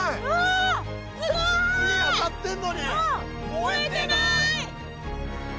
燃えてない！